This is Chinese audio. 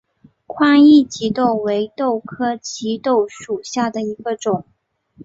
宽翼棘豆为豆科棘豆属下的一个种。